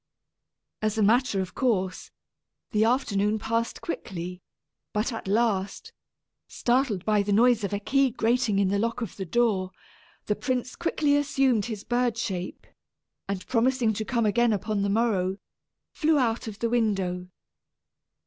As a matter of course, the afternoon passed quickly; but at last, startled by the noise of a key grating in the lock of the door, the prince quickly assumed his bird shape, and promising to come again upon the morrow, flew out of the window.